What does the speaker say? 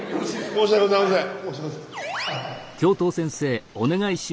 申し訳ございません。